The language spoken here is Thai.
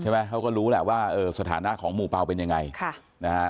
เขาก็รู้แหละว่าเออสถานะของหมู่เปล่าเป็นยังไงค่ะนะฮะ